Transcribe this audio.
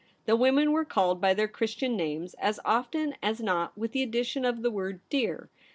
The women were called by their Christian names, as often as not with the addition of the word ' dear.'